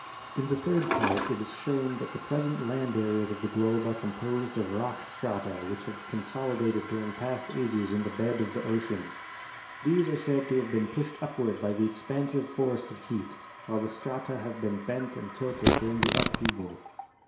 In the third part it is shown that the present land areas of the globe are composed of rock strata which have con solidated during past ages in the bed of the ocean. These are said to have been pushed upward by the expansive force of heat, while the strata have been bent and tilted during the upheaval.